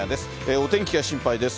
お天気が心配です。